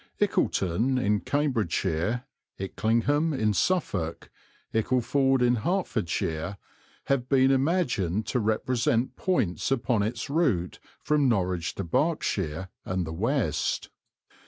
Ickleton, in Cambridgeshire, Icklingham, in Suffolk, Ickleford, in Herts, have been imagined to represent points upon its route from Norwich to Berkshire and the west.